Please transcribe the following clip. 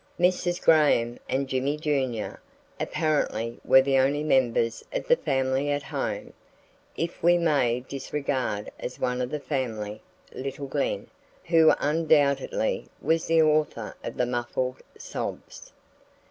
Mrs. Graham and "Jimmie Junior" apparently were the only members of the family at home, if we may disregard as one of the family, little Glen, who undoubtedly was the author of the muffled sobs.